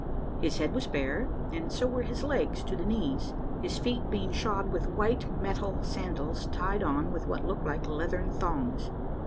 His head was bare, and so were his legs to the knees, his feet being shod with white metal sandals tied on with what looked like leathern thongs.